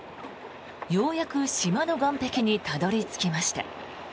ようやく島の岸壁にたどり着きました。